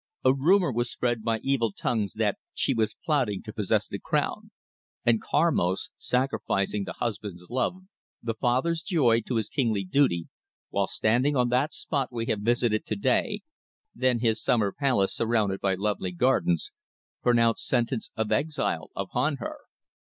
A rumour was spread by evil tongues that she was plotting to possess the crown, and Karmos, sacrificing the husband's love, the father's joy, to his kingly duty, while standing on that spot we have visited to day then his summer palace surrounded by lovely gardens pronounced sentence of exile upon her.